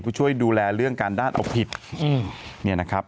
ผู้ช่วยดูแลเรื่องการด้านเอาผิดเนี่ยนะครับ